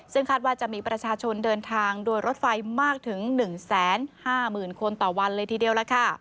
ซึ่งคาดว่าจะมีประชาชนเดินทางโดยรถไฟมากถึง๑๕๐๐๐คนต่อวันเลยทีเดียวล่ะค่ะ